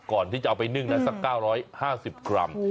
ก่อนที่จะเอาไปนึ่งนะสัก๙๕๐กรัม